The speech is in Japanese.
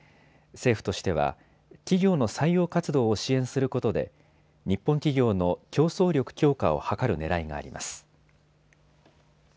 政府としては企業の採用活動を支援することで日本企業の、競争力強化を図るねらいがあります。